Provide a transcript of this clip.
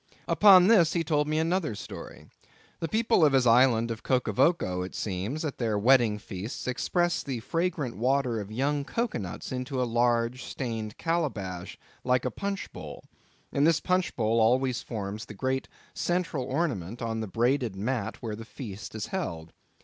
Upon this, he told me another story. The people of his island of Rokovoko, it seems, at their wedding feasts express the fragrant water of young cocoanuts into a large stained calabash like a punchbowl; and this punchbowl always forms the great central ornament on the braided mat where the feast is held.